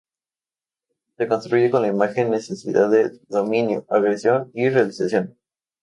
Se construye con la imagen necesidad de dominio, agresión y realización.